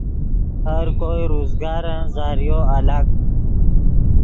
ہر کوئے روزگارن ذریعو الگ